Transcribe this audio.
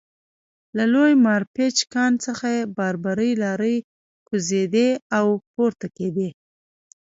له لوی مارپیچ کان څخه باربري لارۍ کوزېدې او پورته کېدې